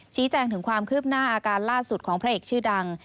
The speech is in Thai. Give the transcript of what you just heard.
ชี้แจงถึงความคืบหน้าอาการล่าสุดของพระเอกชื่อดัง